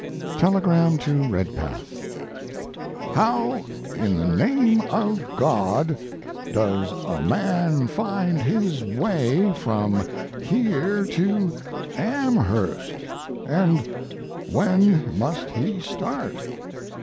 Telegram to Redpath: How in the name of God does a man find his way from here to Amherst, and when must he start?